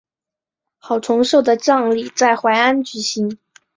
郝崇寿的葬礼在淮安举行。